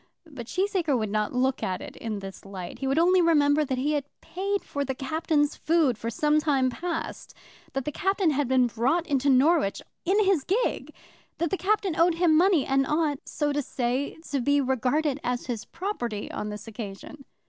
But Cheesacre would not look at it in this light. He would only remember that he had paid for the Captain's food for some time past, that the Captain had been brought into Norwich in his gig, that the Captain owed him money, and ought, so to say, to be regarded as his property on the occasion.